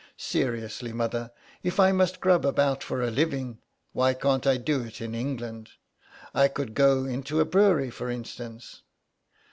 Seriously, mother, if I must grub about for a living, why can't I do it in England? I could go into a brewery for instance."